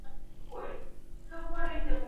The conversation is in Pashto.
مایکرو فلم ریډر له ساینس څخه منځته راغلی دی.